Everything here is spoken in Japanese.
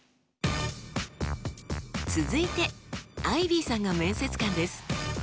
続いてアイビーさんが面接官です。